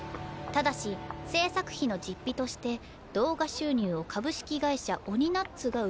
ただし制作費の実費として動画収入を株式会社オニナッツが受け取ることとする」。